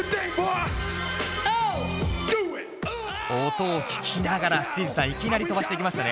音を聴きながらＳｔｅｅｚさんいきなり飛ばしていきましたね。